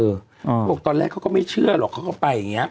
เขาบอกตอนแรกเขาก็ไม่เชื่อหรอกเขาก็ไปอย่างนี้